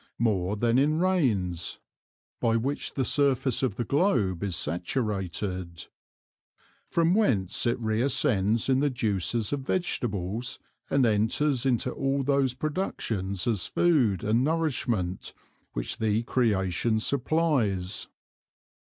more than in Rains, by which the surface of the Globe is saturated; from whence it reascends in the juices of Vegetables, and enters into all those productions as food, and nourishment, which the Creation supplies.